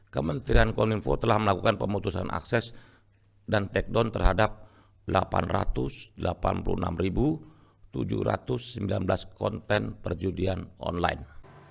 kementerian kominfo telah melakukan pemutusan akses dan take down terhadap delapan ratus delapan puluh enam tujuh ratus sembilan belas konten perjudian online